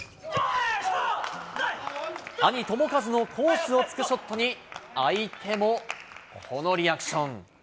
兄、智和のコースを突くショットに、相手もこのリアクション。